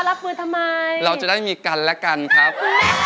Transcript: เราจะได้มีกันและกันครับ